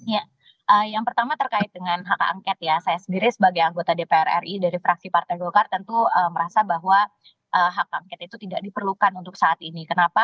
ya yang pertama terkait dengan hak angket ya saya sendiri sebagai anggota dpr ri dari fraksi partai golkar tentu merasa bahwa hak angket itu tidak diperlukan untuk saat ini kenapa